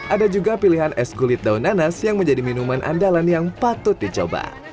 ada juga pilihan es kulit daun nanas yang menjadi minuman andalan yang patut dicoba